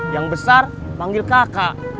yang besar panggil kakak